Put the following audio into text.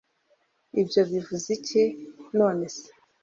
ibyo bivuze iki, nonese